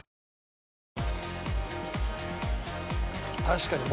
確かに。